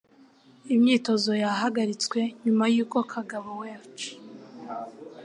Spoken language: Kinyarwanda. Imyitozo yahagaritswe nyuma yuko Kagabo Welch,